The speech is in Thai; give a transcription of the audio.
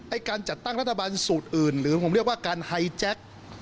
การจัดตั้งรัฐบาลสูตรอื่นหรือผมเรียกว่าการไฮแจ็ค